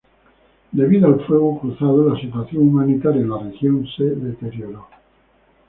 Debido al fuego cruzado, la situación humanitaria en la región se deterioró.